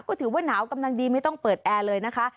ก็ถือว่าหนาวกำลังดีไม่ต้องเปิดแอร์เลยนะคะ